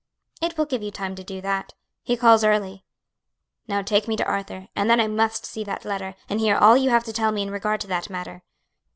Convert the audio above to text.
"It will give you time to do that. He calls early." "Now take me to Arthur; and then I must see that letter, and hear all you have to tell me in regard to that matter."